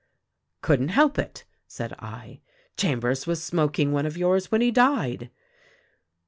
" 'Couldn't help it,' said I. 'Chambers was smoking one of yours when he died.'